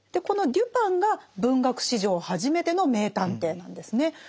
このデュパンが文学史上初めての名探偵なんですね。